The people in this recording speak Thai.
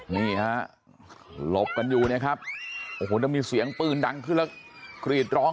นี้ครับลบกันอยู่นะครับนานมีเสียงปืนดังขึ้นละกรีดร้อง